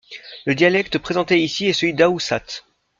Le dialecte présenté ici est celui d'Ahousaht.